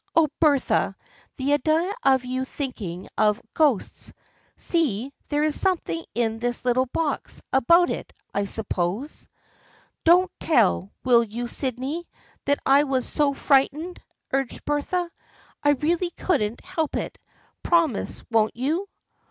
" Oh, Bertha ! The idea of your thinking of ghosts ! See, there is something in this little box about it, I suppose." " Don't tell, will you, Sydney, that I was so frightened?" urged Bertha. " I really couldn't help it. Promise, won't you